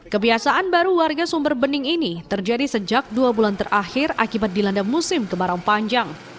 kebiasaan baru warga sumber bening ini terjadi sejak dua bulan terakhir akibat dilanda musim kemarau panjang